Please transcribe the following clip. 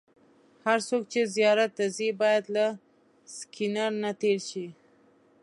هر څوک چې زیارت ته ځي باید له سکېنر نه تېر شي.